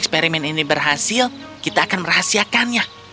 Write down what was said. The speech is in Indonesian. pergi ke taman